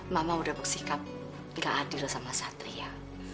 mama udah bersikap kita adil sama satria